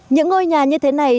những ngôi nhà như thế này